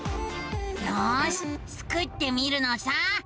よしスクってみるのさ。